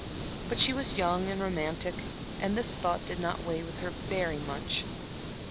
But she was young and romantic, and this thought did not weigh with her very much.